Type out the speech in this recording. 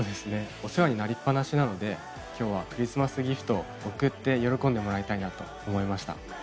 お世話になりっ放しなので今日はクリスマスギフトを贈って喜んでもらいたいなと思いました。